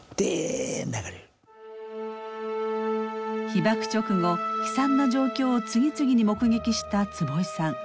被爆直後悲惨な状況を次々に目撃した坪井さん。